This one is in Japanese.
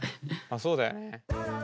あっそうだよね。